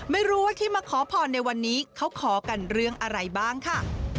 ไม่รู้ว่าที่มาขอพรในวันนี้เขาขอกันเรื่องอะไรบ้างค่ะ